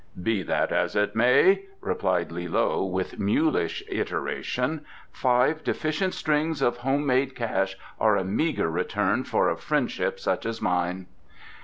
"Be that as it may," replied Li loe, with mulish iteration, "five deficient strings of home made cash are a meagre return for a friendship such as mine."